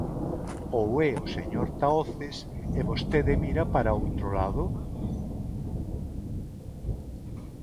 ¿Ou é o señor Tahoces e vostede mira para outro lado?